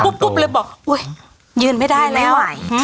ปุ๊บปุ๊บเลยบอกอุ้ยยืนไม่ได้แล้วยืนไม่ได้